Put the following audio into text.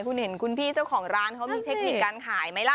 คุณเห็นคุณพี่เจ้าของร้านเขามีเทคนิคการขายไหมล่ะ